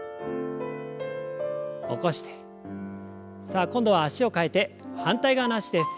さあ今度は脚を替えて反対側の脚です。